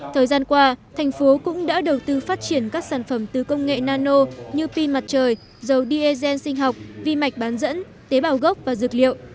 thời gian qua thành phố cũng đã đầu tư phát triển các sản phẩm từ công nghệ nano như pin mặt trời dầu diesel sinh học vi mạch bán dẫn tế bào gốc và dược liệu